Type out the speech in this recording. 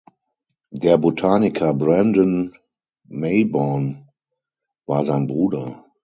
Der Botaniker Brandan Meibom war sein Bruder.